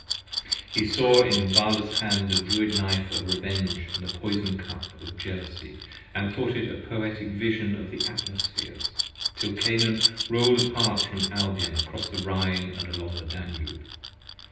He saw in Vala's hand the Druid Knife of Revenge & the Poison Cup 40 Of Jealousy, and thought it a Poetic Vision of the Atmospheres, Till Canaan roll'd apart from Albion across the Rhine, along the Danube.